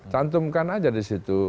cantumkan saja disitu